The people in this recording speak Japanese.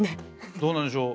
どうなんでしょう。